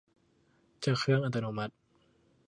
จากเครื่องอัตโนมัติ